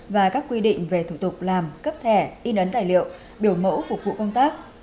và các quy định về thủ tục làm cấp thẻ in ấn tài liệu biểu mẫu phục vụ công tác